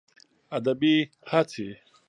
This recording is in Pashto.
ادبي هڅې